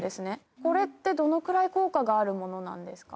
これってどのくらい効果があるものなんですか？